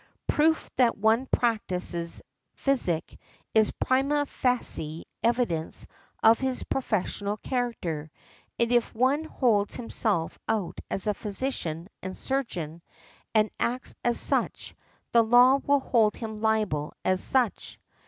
Proof that one practises physic is prima facie evidence of his professional character; and if one holds himself out as a physician and surgeon, and acts as such, the law will hold him liable as such .